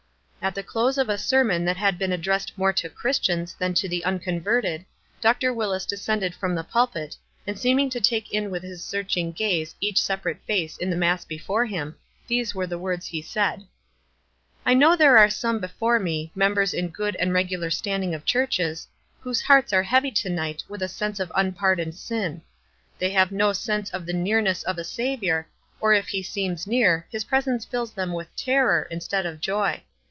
At the close of a sermon that had been addressed more to Christians than to the uncon verted, Dr. Willis descended from the pulpit, and seeming to take in with his searching gaze each separate nice in the mass before him, these were the words he said :— "I know there are some before me, members in good and regular standing of churches, whose hearts are heavy to night with a sense of unpar doned sin. They have no sense of the nearness of a Saviour, or if he seems near his presence fills them with terror instead of joy.